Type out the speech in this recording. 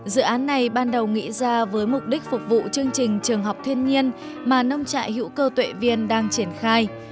dự án này ban đầu nghĩ ra với mục đích phục vụ chương trình trường học thiên nhiên mà nông trại hữu cơ tuệ viên đang triển khai